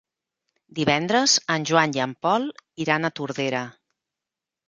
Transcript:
Divendres en Joan i en Pol iran a Tordera.